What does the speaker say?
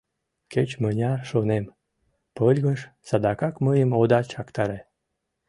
«Кеч-мыняр, — шонем, — пыльгыж, садыгак мыйым ода чактаре».